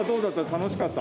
楽しかった。